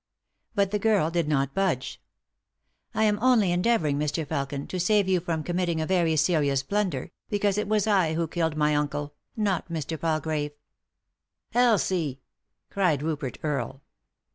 But the girl did not budge. " I am only endeavouring, Mr. Felkin, to save you from committing a very serious blunder, since it was I who killed my uncle, not Mr. Palgrave." " Elsie I " cried Rupert Earle.